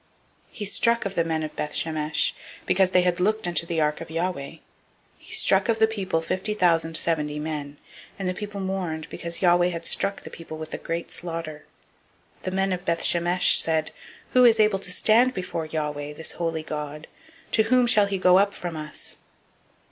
006:019 He struck of the men of Beth Shemesh, because they had looked into the ark of Yahweh, he struck of the people fifty thousand seventy men; and the people mourned, because Yahweh had struck the people with a great slaughter. 006:020 The men of Beth Shemesh said, Who is able to stand before Yahweh, this holy God? and to whom shall he go up from us?